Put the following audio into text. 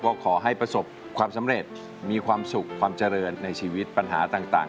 ก็ขอให้ประสบความสำเร็จมีความสุขความเจริญในชีวิตปัญหาต่าง